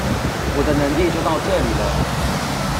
我的能力就到這裡了